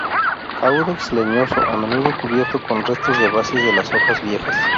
Caudex leñoso, a menudo cubierto con restos de bases de las hojas viejas.